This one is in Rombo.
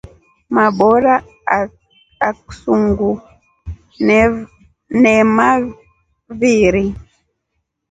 Mabora aksunguu nemaviiri.